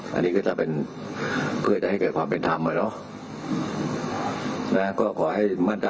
มีศาสตราจารย์พิเศษวิชามหาคุณเป็นประเทศด้านกรวมความวิทยาลัยธรม